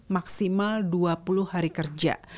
maksimal dua puluh hari kerja